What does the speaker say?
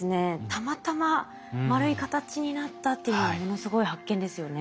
たまたま丸い形になったっていうのはものすごい発見ですよね。